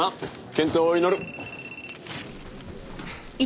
健闘を祈る。